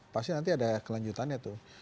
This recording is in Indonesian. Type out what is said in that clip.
pasti nanti ada kelanjutannya tuh